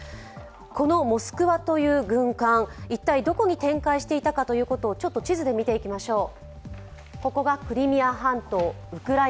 このモスクという軍艦、一体どこに展開していたかということを地図で見ていきましょう。